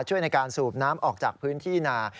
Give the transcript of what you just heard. ช่วยในการสูบน้ำออกจากพื้นที่นา